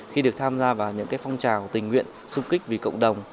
khi được tham gia vào những phong trào tình nguyện xung kích vì cộng đồng